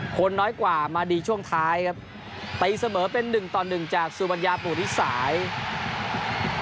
คนน้อยกว่ามาดีช่วงท้ายครับตีเสมอเป็นหนึ่งต่อหนึ่งจากสุบัญญาปุริสาย